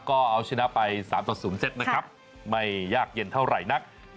ก็เอาชนะไป๓๐๗นะครับไม่ยากเย็นเท่าไหร่นะ